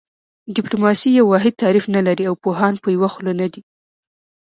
ډیپلوماسي یو واحد تعریف نه لري او پوهان په یوه خوله نه دي